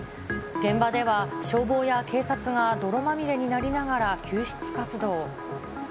現場では、消防や警察が泥まみれになりながら、救出活動。